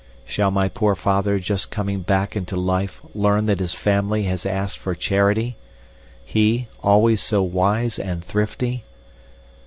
Shall my poor father just coming back into life learn that his family has asked for charity he, always so wise and thrifty?